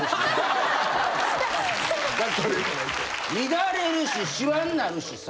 乱れるしシワになるしさ。